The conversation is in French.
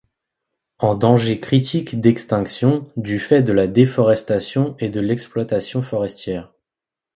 En danger critique d'extinction du fait de la déforestation et de l'exploitation forestière.